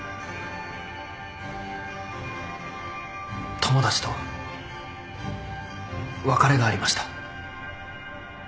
友達と別れがありました。